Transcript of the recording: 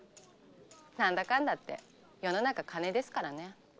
何だかんだって世の中金ですからね。